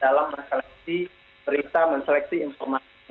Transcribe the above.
dalam mengeleksi berita mengeleksi informasi